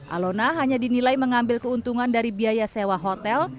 alona hanya dinilai mengambil keuntungan dari biaya sewa hotel